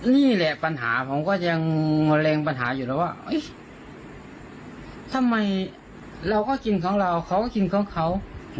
นี่แหละปัญหาผมก็ยังมะเร็งปัญหาอยู่แล้วว่าทำไมเราก็กินของเราเขาก็กินของเขา